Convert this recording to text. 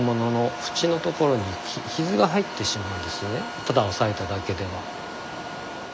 ただ押さえただけでは。